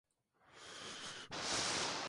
La región del Golfo se destacó como una luz roja.